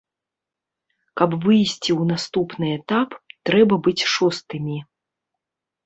Каб выйсці ў наступны этап трэба быць шостымі.